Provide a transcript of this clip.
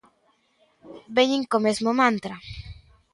Veñen co mesmo mantra.